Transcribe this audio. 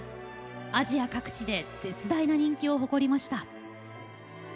アジア各地で絶大な人気を誇りました。